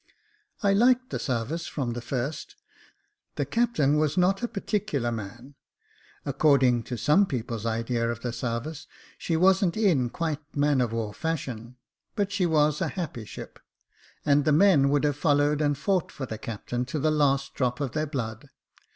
I liked the sarvice from the first — the captain was not a particular man ; accord ing to some people's idea of the sarvice, she wasn't in quite man of war fashion, but she was a happy ship, and the men would have followed and fought for the captain to the last drop of their blood.